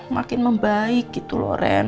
makin membaik gitu loh ren